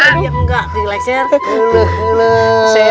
diam gak kilengser